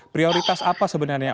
prioritas apa sebenarnya